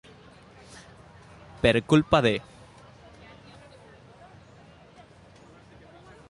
Per culpa de.